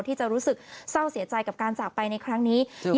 ที่จะรู้สึกเศร้าเสียใจกับการจากไปในครั้งนี้